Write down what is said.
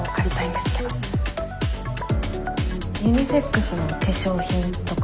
ユニセックスの化粧品とか。